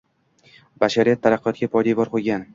Bashariyat taraqqiyotiga poydevor qoʻygan